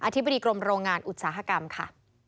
ธิบดีกรมโรงงานอุตสาหกรรมค่ะ